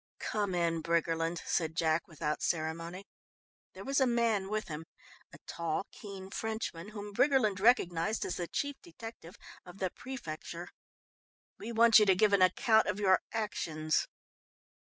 "Come in, Briggerland," said Jack, without ceremony. There was a man with him, a tall, keen Frenchman whom Briggerland recognised as the chief detective of the Préfecture. "We want you to give an account of your actions."